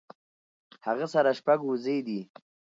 هغۀ سره شپږ وزې دي